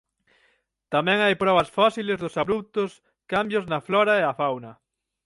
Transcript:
Tamén hai probas fósiles dos abruptos cambios na flora e a fauna.